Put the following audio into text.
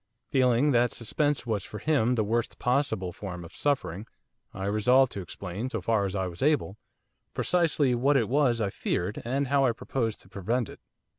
Feeling that suspense was for him the worst possible form of suffering I resolved to explain, so far as I was able, precisely what it was I feared, and how I proposed to prevent it.